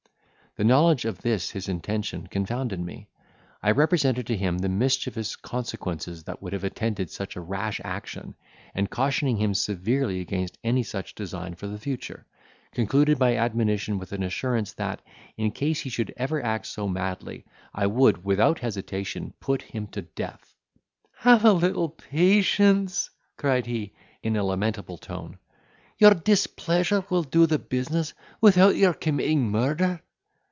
The knowledge of this his intention confounded me. I represented to him the mischievous consequences that would have attended such a rash action, and, cautioning him severely against any such design for the future, concluded my admonition with an assurance, that, in case he should ever act so madly, I would, without hesitation, put him to death. "Have a little patience!" cried he, in a lamentable tone; "your displeasure will do the business, without your committing murder."